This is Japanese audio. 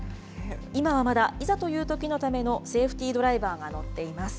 今はまだ、いざというときのためのセーフティードライバーが乗っています。